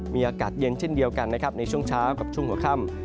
มีอากาศเย็นเช่นเดียวกันนะครับในช่วงเช้ากับช่วงหัวค่ำ